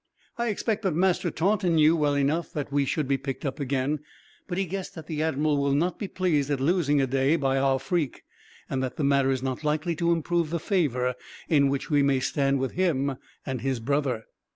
I expect that Master Taunton knew, well enough, that we should be picked up again; but he guessed that the admiral would not be pleased at losing a day, by our freak, and that the matter is not likely to improve the favor in which we may stand with him and his brother."